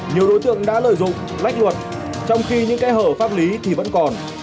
nhiều đối tượng đã lợi dụng lách luật trong khi những kẽ hở pháp lý thì vẫn còn